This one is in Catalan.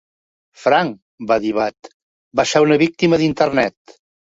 "Frank", va dir Bat, va ser una víctima d'Internet.